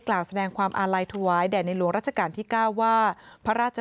กล่าวแสดงความอาลัยถวายแด่ในหลวงราชการที่๙ว่าพระราช